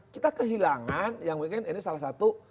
kita kehilangan yang mungkin ini salah satu